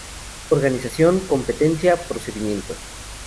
Organización, competencia, procedimiento".